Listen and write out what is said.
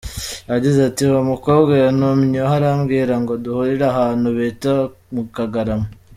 Yagize ati :« Uwo mukobwa yantumyeho arambwira ngo duhurire ahantu bita mu Kagarama.